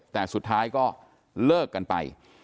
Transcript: แต่สุดท้ายก็เลิกกันไป